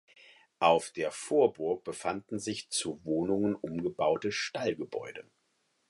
Auf der Vorburg befanden sich zu Wohnungen umgebaute Stallgebäude.